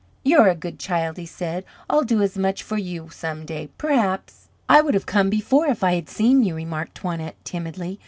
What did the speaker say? "You're a good child," he said. "I'll do as much for you some day, perhaps." "I would have come before if I had seen you," remarked Toinette, timidly.